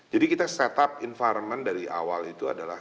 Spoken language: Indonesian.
jadi kita set up environment dari awal itu adalah